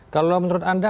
kalau menurut anda